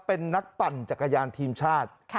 เป็นนักปั่นจักรยานทีมชาติ